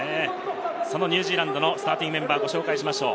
ニュージーランドのスターティングメンバーをご紹介しましょう。